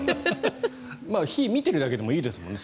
火を見てるだけでもいいですもんね。